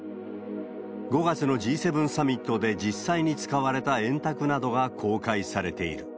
５月のＧ７サミットで実際に使われた円卓などが公開されている。